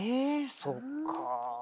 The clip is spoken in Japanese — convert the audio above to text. そっかぁ。